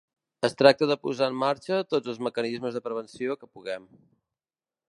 Es tracta de posar en marxa tots els mecanismes de prevenció que puguem.